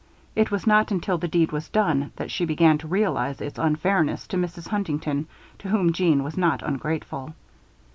It was not until the deed was done that she began to realize its unfairness to Mrs. Huntington, to whom Jeanne was not ungrateful.